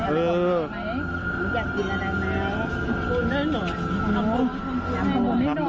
ลูกแก้ว